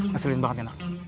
ngeselin banget ya nak